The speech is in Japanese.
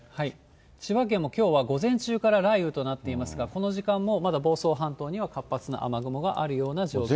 千葉県もきょうは午前中から雷雨となっていますが、この時間もまだ房総半島には活発な雨雲があるような状態です。